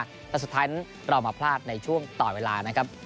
และสุดท้ายเรามาพลาดในช่วงต่อเวลา